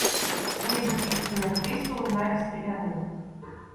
В різних частинах лісу лунає стрілянина.